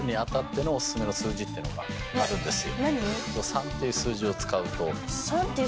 ３っていう数字を使う？